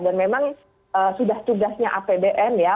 dan memang sudah tugasnya apbn ya